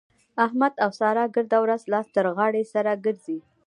احمد او سارا ګرده ورځ لاس تر غاړه سره ګرځي.